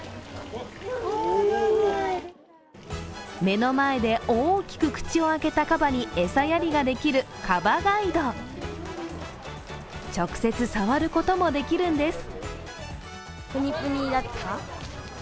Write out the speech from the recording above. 目の前で大きく口を開けたカバに餌やりができるカバガイド直接、触ることもできるんです。